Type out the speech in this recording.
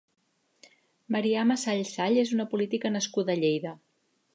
Mariama Sall Sall és una política nascuda a Lleida.